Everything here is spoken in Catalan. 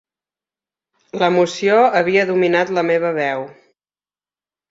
L'emoció havia dominat la meva veu.